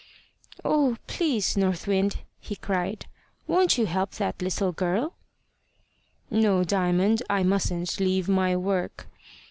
"Oh! please, North Wind," he cried, "won't you help that little girl?" "No, Diamond; I mustn't leave my work."